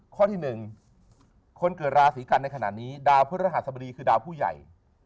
ข้อที่๑คนเกิดราศีกันในขณะนี้ดาวพฤหัสบดีคือดาวผู้ใหญ่